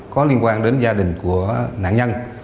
có liên quan đến gia đình của nạn nhân